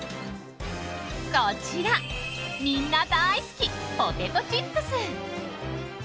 こちら、みんな大好きポテトチップス。